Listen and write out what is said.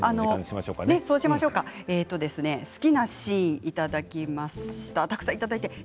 好きなシーンたくさんいただきました。